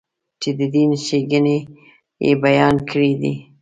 چې د دین ښېګڼې یې بیان کړې دي.